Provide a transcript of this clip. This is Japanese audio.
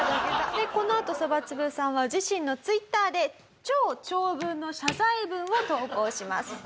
でこのあとそばつぶさんは自身のＴｗｉｔｔｅｒで超長文の謝罪文を投稿します。